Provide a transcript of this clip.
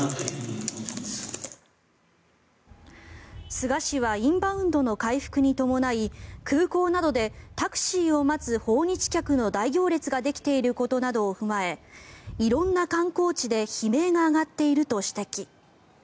菅氏はインバウンドの回復に伴い空港などでタクシーを待つ訪日客の大行列ができていることなどを踏まえ色んな観光地で悲鳴が上がっていると指摘。